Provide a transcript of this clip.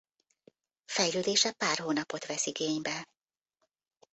Fejlődése pár hónapot vesz igénybe.